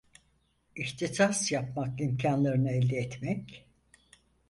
İhtisas yapmak imkânlarını elde etmek…